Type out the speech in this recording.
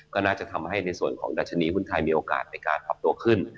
ก็น่าจะทำให้ในส่วนของดัชนีหุ้นไทยมีโอกาสในการปรับตัวขึ้น